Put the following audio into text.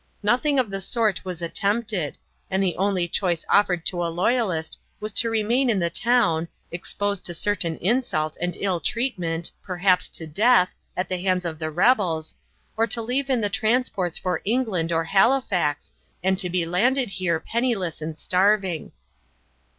Nothing of the sort was attempted, and the only choice offered to a loyalist was to remain in the town, exposed to certain insult and ill treatment, perhaps to death, at the hands of the rebels, or to leave in the transports for England or Halifax and to be landed here penniless and starving.